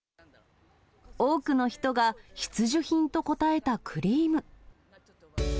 多くの人が必需品と答えたクリーム。